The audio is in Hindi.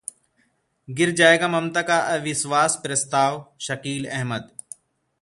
गिर जाएगा ममता का अविश्वास प्रस्ताव: शकील अहमद